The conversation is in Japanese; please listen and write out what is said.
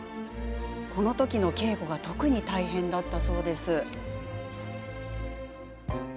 この時の稽古は特に大変だったそうです。